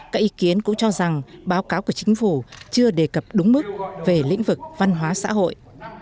các ý kiến cũng cho rằng báo cáo của chính phủ chưa đề cập đúng mức về lĩnh vực văn hóa xã hội